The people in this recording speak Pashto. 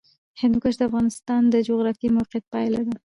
هندوکش د افغانستان د جغرافیایي موقیعت پایله ده.